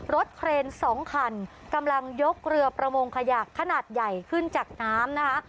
เครนสองคันกำลังยกเรือประมงขยะขนาดใหญ่ขึ้นจากน้ำนะคะ